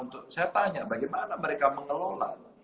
saya tanya bagaimana mereka mengelola